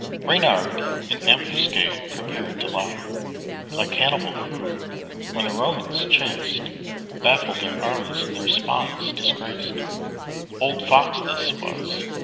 Reynard in ambuscade prepared to lie, Like Hannibal, who, when the Romans chased, Baffled their armies, and their spies disgraced. Old Fox this was!